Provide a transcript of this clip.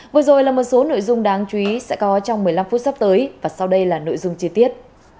vừa rồi là một số nội dung đáng chú ý sẽ có trong một mươi năm phút sắp tới và sau đây là nội dung chi tiết